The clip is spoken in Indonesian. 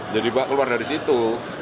jadi pak keluar dari situ